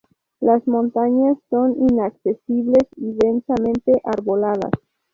Las montañas son inaccesibles y densamente arboladas.